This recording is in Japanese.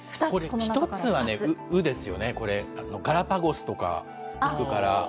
１つはね、ウですよね、これ、ガラパゴスとか聞くから。